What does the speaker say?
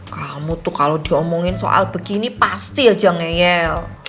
kamu tuh kalau diomongin soal begini pasti aja ngeyel